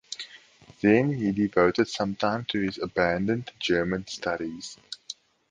Then he devoted some time to his abandoned German studies.